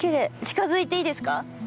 近づいていいですか？